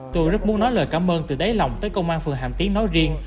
tôi rất muốn nói lời cảm ơn từ đáy lòng tới công an phường hàm tiến nói riêng